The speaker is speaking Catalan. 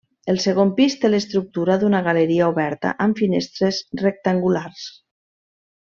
El segon pis té l'estructura d'una galeria oberta amb finestres rectangulars.